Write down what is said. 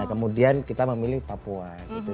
kemudian kita memilih papua gitu